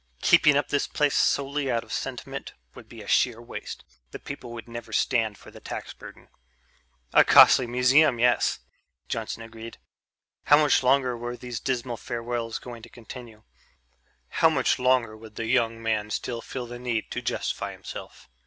Keeping up this place solely out of sentiment would be sheer waste the people would never stand for the tax burden." "A costly museum, yes," Johnson agreed. How much longer were these dismal farewells going to continue? How much longer would the young man still feel the need to justify himself?